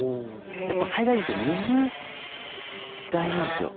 やっぱ災害時って水大事なんですよ。